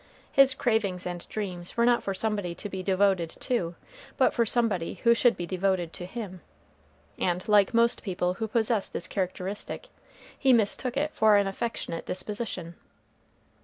His cravings and dreams were not for somebody to be devoted to, but for somebody who should be devoted to him. And, like most people who possess this characteristic, he mistook it for an affectionate disposition.